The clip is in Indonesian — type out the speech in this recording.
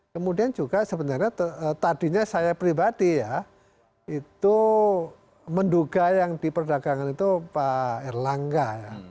kemudian juga sebenarnya tadinya saya pribadi ya itu menduga yang di perdagangan itu pak erlangga